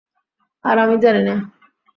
আর আমি জানি না।